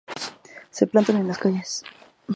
Se plantan en las calles.